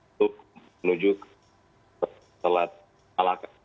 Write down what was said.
untuk menuju selat alakan